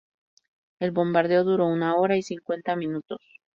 El bombardeo duró una hora y cincuenta minutos.